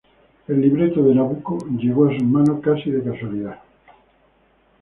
El libreto de Nabucco llegó a sus manos casi de casualidad.